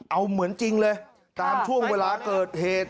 เอาเหมือนจริงเลยตามช่วงเวลาเกิดเหตุ